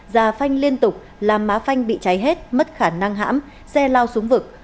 già phanh liên tục làm má phanh bị cháy hết mất khả năng hãm xe lao xuống vực